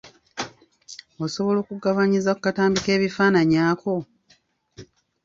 Osobola okungabanyiza ku katambi k'ebifaananyi ako?